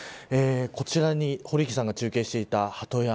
こちらに堀池さんが中継していた鳩山